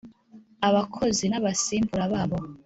abakozi n abasimbura babo